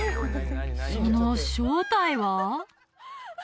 その正体は？